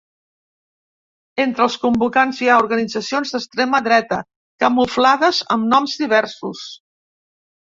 Entre els convocants hi ha organitzacions d’extrema dreta, camuflades amb noms diversos.